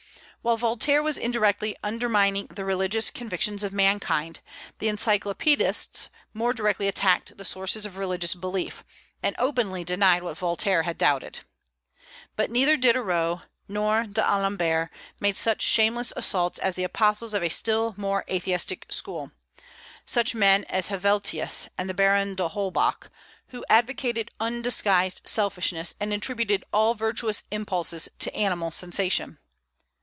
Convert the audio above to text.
While Voltaire was indirectly undermining the religious convictions of mankind, the Encyclopedists more directly attacked the sources of religious belief, and openly denied what Voltaire had doubted. But neither Diderot nor D'Alembert made such shameless assaults as the apostles of a still more atheistic school, such men as Helvetius and the Baron d'Holbach, who advocated undisguised selfishness, and attributed all virtuous impulses to animal sensation.